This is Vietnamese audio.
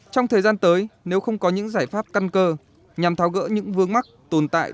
trong thời gian tới nếu không có những giải pháp căn cơ nhằm tháo gỡ những vương mắc tồn tại